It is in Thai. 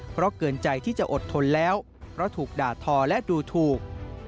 เพราะเกินใจที่จะอดทนแล้วเพราะถูกด่าทอและดูถูก